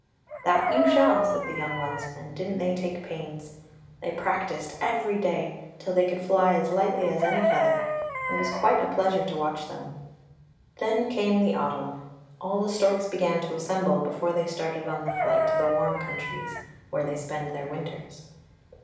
"" That you shall! " said the young ones; and didn't they THE STORKS 141 take pains. They practised every day, till they could fly as lightly as any feather; it was quite a pleasure to watch them. Then came the autumn; all the storks began to assemble, before they started on their flight to the warm countries, where they spend their winters.